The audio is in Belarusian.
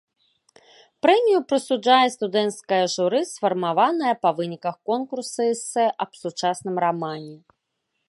Прэмію прысуджае студэнцкае журы, сфармаванае па выніках конкурсу эсэ аб сучасным рамане.